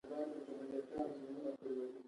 سیاسي اقتصاد په حقیقت کې یو علم دی.